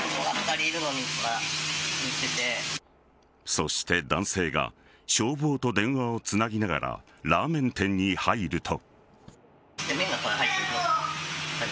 そして男性が消防と電話をつなぎながらラーメン店に入ると。